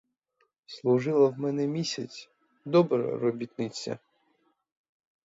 Служила в мене місяць, — добра робітниця.